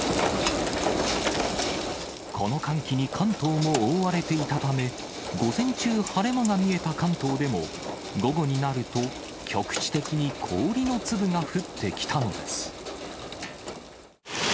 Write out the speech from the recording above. この寒気に関東も覆われていたため、午前中晴れ間が見えた関東でも、午後になると、局地的に氷の粒が降ってきたのです。